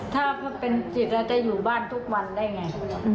ถ้าเป็นจิตเราจะอยู่บ้านทุกวันได้ไง